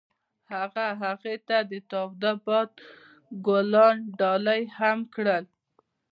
هغه هغې ته د تاوده باد ګلان ډالۍ هم کړل.